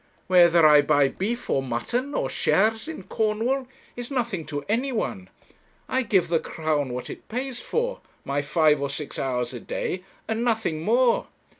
Whether I buy beef or mutton, or shares in Cornwall, is nothing to anyone. I give the Crown what it pays for, my five or six hours a day, and nothing more.